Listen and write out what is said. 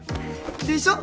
でしょ？